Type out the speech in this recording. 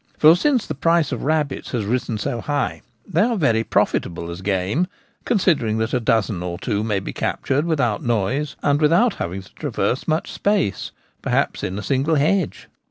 For, since the price of rabbits has risen so high, they are very profitable as game, considering that a dozen or two may be captured without noiseand without having to traverse much space — perhaps in a single hedge.